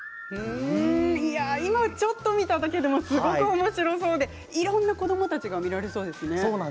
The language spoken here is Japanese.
今、ちょっと見ただけでもすごくおもしろそうでいろんな子どもたちが見られそうですね。